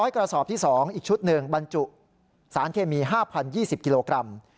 กระสอบที่๒อีกชุดหนึ่งบรรจุสารเคมี๕๐๒๐กิโลกรัม